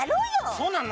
そうなの？